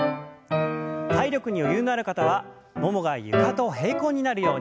体力に余裕のある方はももが床と平行になるように。